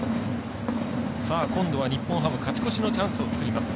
今度は日本ハム勝ち越しのチャンスを作ります。